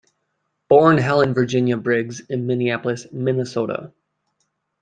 Born Helen Virginia Briggs in Minneapolis, Minnesota.